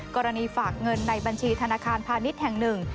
กรณีฝากเงินในบัญชีธนาคารพาณิชย์แห่งหนึ่ง